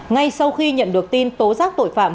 ngay sau khi nhận được tin tố giác tội phạm